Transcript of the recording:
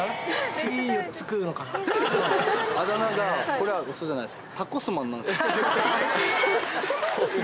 これはウソじゃないです。